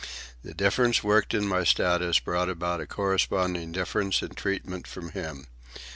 The difference worked in my status brought about a corresponding difference in treatment from him.